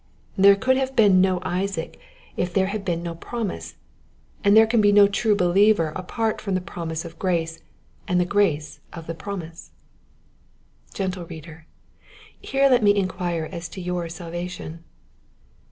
There could have been no Isaac if there had been The Two Seeds. ii no promise, and there can be no true believer apart from the promise of grace, and the grace of the promise. Gentle reader, here let me inquire as to your sal vation.